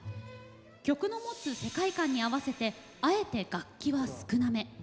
曲の持つ世界観に合わせてあえて楽器は少なめ。